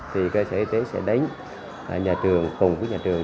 thì cơ sở y tế sẽ đến nhà trường cùng với nhà trường